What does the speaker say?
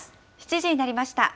７時になりました。